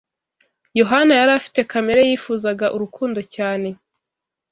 Yohana yari afite kamere yifuzaga urukundo cyane